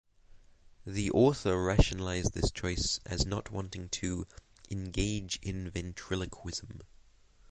The author rationalised this choice as not wanting to "engage in ventriloquism".